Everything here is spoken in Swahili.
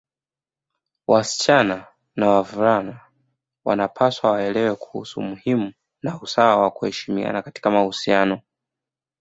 Wasichana na wavulani wanapaswa waelewe kuhusu umuhimu wa usawa na kuheshimiana katika mahusiano